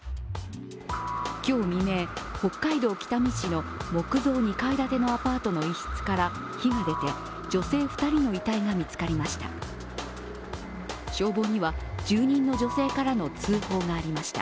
今日未明、北海道北見市の木造２階建てのアパートの１室から火が出て、女性２人の遺体が見つかりました。